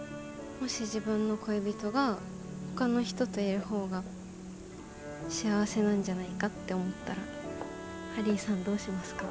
もし自分の恋人がほかの人といる方が幸せなんじゃないかって思ったらハリーさんどうしますか？